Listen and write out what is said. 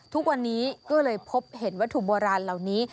ทุกวันนี้ก็เลยพบเห็นวัตถุโบราณเหล่านี้